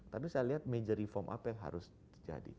tapi saya lihat major reform apa yang harus terjadi